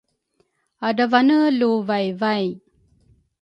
Adravane luvaivai